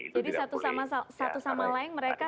jadi satu sama lain mereka